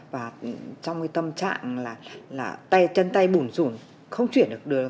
và trong tâm trạng là chân tay bùn rủn không chuyển được được